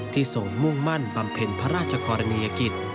ทรงมุ่งมั่นบำเพ็ญพระราชกรณียกิจ